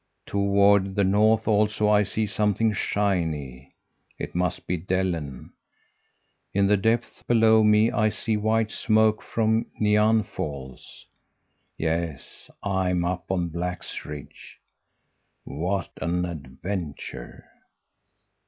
Toward the north also I see something shiny. It must be Dellen. In the depths below me I see white smoke from Nian Falls. Yes, I'm up on Black's Ridge. What an adventure!'